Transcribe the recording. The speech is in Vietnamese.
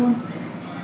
nó sẽ nó hơi í